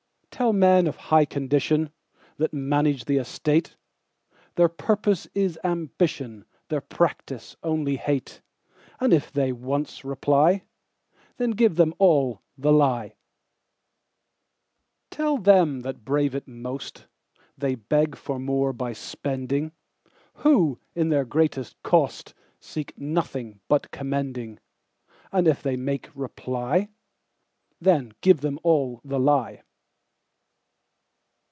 Tell men of high condition, That manage the estate, Their purpose is ambition, Their practice only hate:And if they once reply, Then give them all the lie. Tell them that brave it most, They beg for more by spending, Who, in their greatest cost, Seek nothing but commending:And if they make reply, Then give them all the lie.